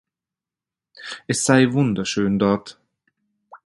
Es sei wunderschön dort.